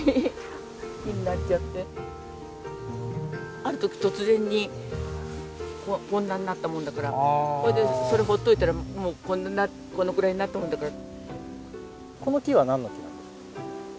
あるとき突然にこんなになったもんだからそれでそれほっといたら、このぐらいになったもんだから。